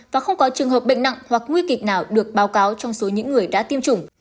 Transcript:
và không có trường hợp bệnh nặng hoặc nguy kịch nào được báo cáo trong số những người đã tiêm chủng